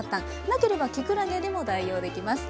なければきくらげでも代用できます。